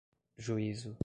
juízo